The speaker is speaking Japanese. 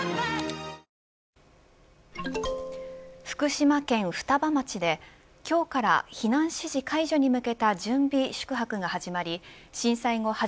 ＪＴ福島県双葉町で今日から避難指示解除に向けた準備宿泊が始まり震災後